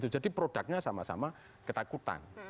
jadi produknya sama sama ketakutan